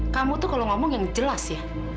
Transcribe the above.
kamu tuh kalau ngomong yang jelas ya